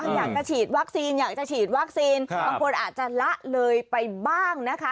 อยากจะฉีดวัคซีนอยากจะฉีดวัคซีนบางคนอาจจะละเลยไปบ้างนะคะ